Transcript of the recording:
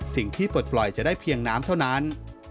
ปลดปล่อยจะได้เพียงน้ำเท่านั้น